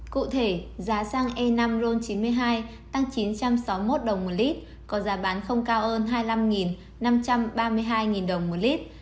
cụ thể giá xăng e năm ron chín mươi hai tăng chín trăm sáu mươi một đồng một lít có giá bán không cao hơn hai mươi năm năm trăm ba mươi hai đồng một lít